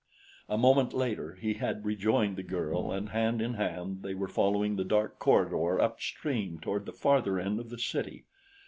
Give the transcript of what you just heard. A moment later he had rejoined the girl and hand in hand they were following the dark corridor upstream toward the farther end of the city.